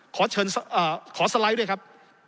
ขอสไลด์ด้วยครับ